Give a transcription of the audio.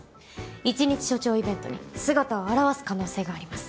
１日署長イベントに姿を現す可能性があります。